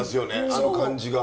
あの感じが。